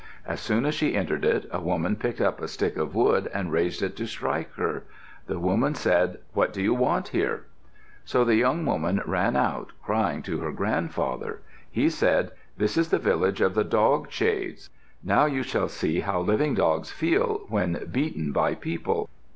As soon as she entered it, a woman picked up a stick of wood and raised it to strike her. The woman said, "What do you want here?" So the young woman ran out, crying to her grandfather. He said, "This is the village of the dog shades. Now you see how living dogs feel when beaten by people."